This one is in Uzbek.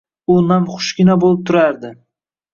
U namxushgina bo‘lib turardi.